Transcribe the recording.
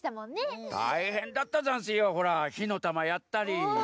たいへんだったざんすよ。ほらひのたまやったり。